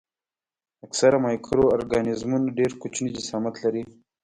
اکثره مایکرو ارګانیزمونه ډېر کوچني جسامت لري.